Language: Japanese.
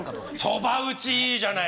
そば打ちいいじゃない。